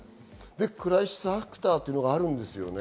クライシスアクターというのがあるんですね。